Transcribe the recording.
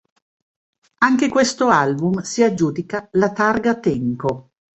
Anche questo album si aggiudica la Targa Tenco.